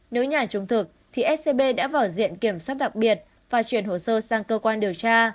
nếu nhàn trung thực thì s t b đã vào diện kiểm soát đặc biệt và truyền hồ sơ sang cơ quan điều tra